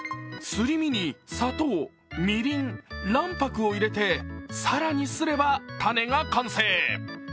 すり身に砂糖、みりん、卵白を入れて更にすればタネが完成。